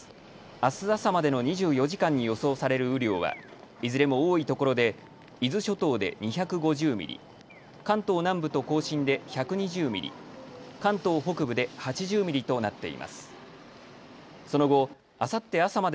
あす朝までの２４時間に予想される雨量はいずれも多いところで伊豆諸島で２５０ミリ、関東南部と甲信で１２０ミリ、関東北部で８０ミリとなっています。